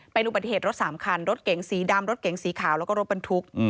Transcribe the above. เป็นอุบัติเหตุรถสามคันรถเก๋งสีดำรถเก๋งสีขาวแล้วก็รถบรรทุก